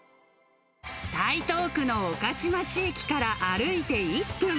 台東区の御徒町駅から歩いて１分。